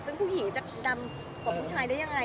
ซึ่งผู้หญิงจะดำกว่าผู้ชายได้ยังไง